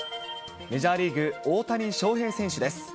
メジャーリーグ、大谷翔平選手です。